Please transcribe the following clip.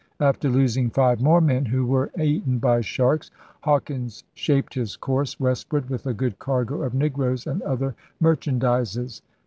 After losing five more men, who were eaten by sharks, Hawkins shaped his course westward with a good cargo of negroes and 'other merchandises.'